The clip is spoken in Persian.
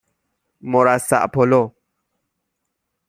مرصع پلو